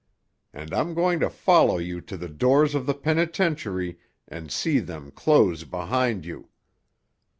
And I'm going to follow you to the doors of the penitentiary, and see them close behind you.